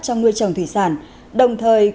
trong nuôi trồng thủy sản đồng thời